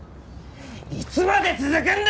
いつまで続くんだ！